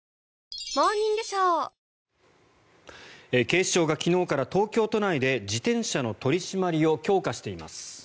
警視庁が昨日から東京都内で自転車の取り締まりを強化しています。